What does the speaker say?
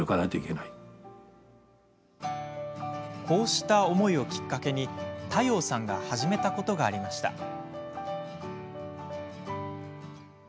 こうした思いをきっかけに諦應さんが始めたことがありました。